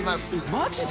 マジで？